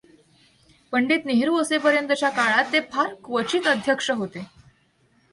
पंडित नेहरू असेपर्यंतच्या काळात ते फार क्वचित अध्यक्ष होते